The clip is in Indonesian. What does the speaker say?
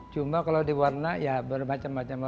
cuma kalau diwarna ya bermacam macam warna